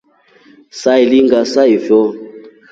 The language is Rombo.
Sailinga saa yooyi.